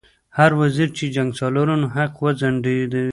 هر وزیر چې د جنګسالارانو حق وځنډوي.